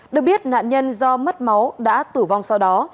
được biết nạn nhân do mất máu đã tử vong sau đó